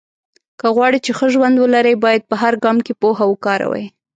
که غواړې چې ښه ژوند ولرې، باید په هر ګام کې پوهه وکاروې.